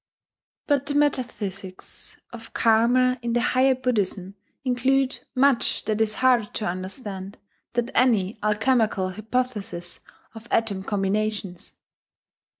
But the metaphysics of Karma in the higher Buddhism include much that is harder to understand than any alchemical hypothesis of atom combinations.